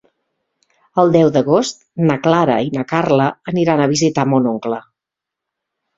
El deu d'agost na Clara i na Carla aniran a visitar mon oncle.